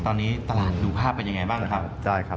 ตอนนี้ตลาดดูภาพเป็นยังไงบ้างครับ